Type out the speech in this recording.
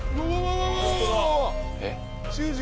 えっ？